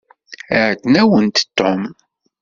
Iɛeyyen-awent Tom.